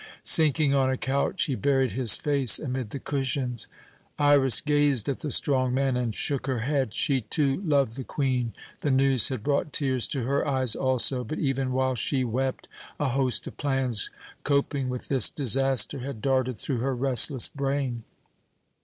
Sinking on a couch he buried his face amid the cushions. Iras gazed at the strong man and shook her head. She, too, loved the Queen; the news had brought tears to her eyes also; but even while she wept, a host of plans coping with this disaster had darted through her restless brain.